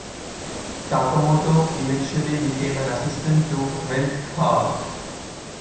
Takamoto eventually became an assistant to Milt Kahl.